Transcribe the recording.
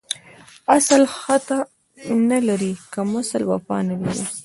اسل ختا نه لري ، کمسل وفا نه لري.